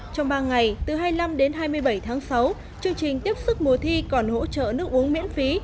trong ba ngày từ hai mươi năm đến hai mươi bảy tháng sáu chương trình tiếp sức mùa thi còn hỗ trợ nước uống miễn phí